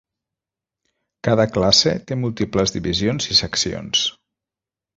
Cada classe té múltiples divisions i seccions.